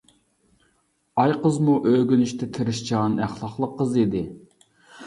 ئايقىزمۇ ئۆگىنىشتە تىرىشچان، ئەخلاقلىق قىز ئىدى.